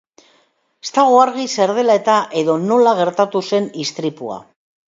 Ez dago argi zer dela eta edo nola gertatu zen istripua.